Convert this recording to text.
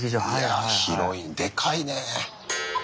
いや広いでかいねえ。